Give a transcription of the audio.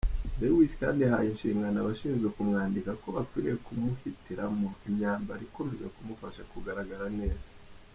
Lewis kandi yahaye inshingano abashinzwe kumwambika ko bakwiriye kumuhitiramo imyambaro ikomeza kumufasha kugaragara neza.